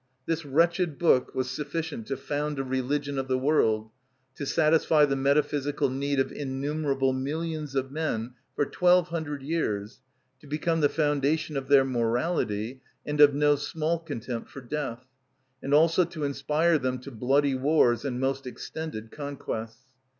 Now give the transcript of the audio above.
This wretched book was sufficient to found a religion of the world, to satisfy the metaphysical need of innumerable millions of men for twelve hundred years, to become the foundation of their morality, and of no small contempt for death, and also to inspire them to bloody wars and most extended conquests.